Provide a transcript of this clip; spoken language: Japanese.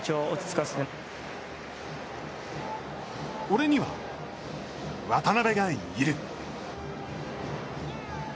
俺には、渡辺がいる！